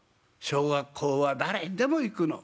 「小学校は誰でも行くの。